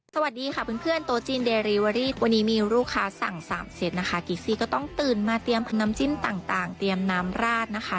สวัสดีค่ะเพื่อนโต๊จีนเดรีเวอรี่วันนี้มีลูกค้าสั่งสามเซตนะคะกิ๊กซี่ก็ต้องตื่นมาเตรียมน้ำจิ้มต่างเตรียมน้ำราดนะคะ